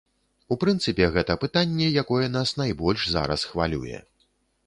У прынцыпе, гэта пытанне, якое нас найбольш зараз хвалюе.